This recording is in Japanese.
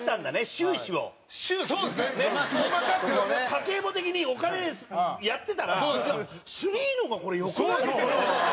家計簿的にお金やってたらスリーの方が、これ、よくない？みたいな。